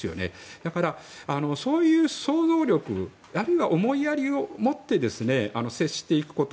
だから、そういう想像力あるいは思いやりを持って接していくこと。